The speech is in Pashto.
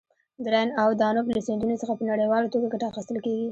د راین او دانوب له سیندونو څخه په نړیواله ټوګه ګټه اخیستل کیږي.